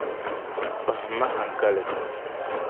Pahimma haŋkali.